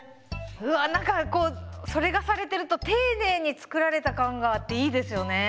うわなんかこうそれがされてると丁寧に作られた感があっていいですよね。